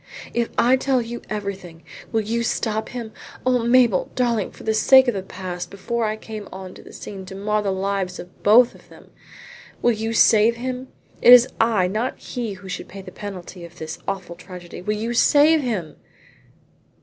"If I tell you everything will you stop him? Oh, Mabel, darling, for the sake of the past before I came on the scene to mar the lives of both of them will you save him? It is I not he who should pay the penalty of this awful tragedy. Will you save him?"